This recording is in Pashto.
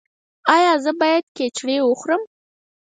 ایا زه باید کیچړي وخورم؟